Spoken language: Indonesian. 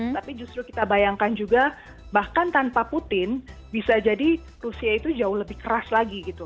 tapi justru kita bayangkan juga bahkan tanpa putin bisa jadi rusia itu jauh lebih keras lagi gitu